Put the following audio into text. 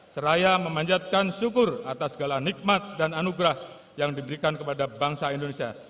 seraya memanjatkan syukur atas segala nikmat dan anugerah yang diberikan kepada bangsa indonesia